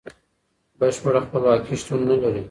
بشپړه خپلواکي شتون نلري.